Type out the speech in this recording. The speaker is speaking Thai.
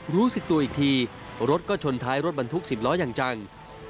รู้สึกตัวอีกทีรถก็ชนท้ายรถบรรทุก๑๐ล้ออย่างจัง